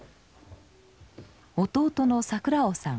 弟の桜麻さん。